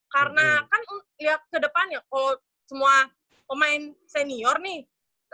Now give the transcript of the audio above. karena kan lihat ke depannya kalau semua pemain senior nih